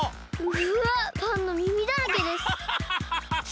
うわパンのみみだらけです！